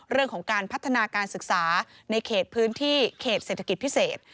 เรื่องของการพัฒนาการศึกษาในเขตพื้นที่เขตเศรษฐกิจพิเศษ